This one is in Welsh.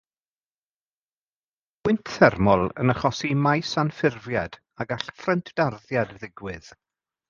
Mae gwynt thermol yn achosi maes anffurfiad a gall ffryntdarddiad ddigwydd.